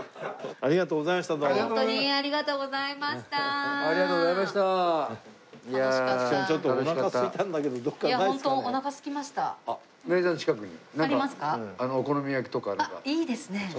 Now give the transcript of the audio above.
あっいいですね。